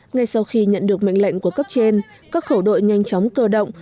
ngay sau khi nhận được mệnh lệnh của cấp trên các khẩu đội nhanh chóng cơ động